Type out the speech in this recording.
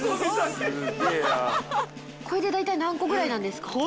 これでだいたい何個ぐらいなんですか？